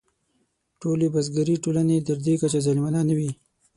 ټولې بزګري ټولنې تر دې کچې ظالمانه نه وې.